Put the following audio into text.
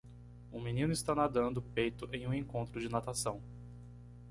Um menino está nadando peito em um encontro de natação.